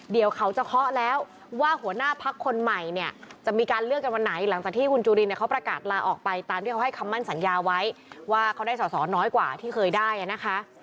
เดี๋ยวเขาจะเคาะแล้วว่าหัวหน้าพักคนใหม่เนี่ยจะมีการเลือกกันวันไหนหลังจากที่คุณจุลินเนี่ยเขาประกาศลาออกไปตามที่เขาให้คำมั่นสัญญาไว้ว่าเขาได้สอสอน้อยกว่าที่เคยได้นะคะ